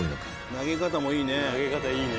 投げ方もいいね。